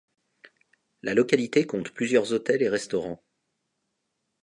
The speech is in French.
La localité compte plusieurs hôtels et restaurants.